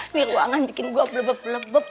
ini ruangan bikin gue blebeb blebeb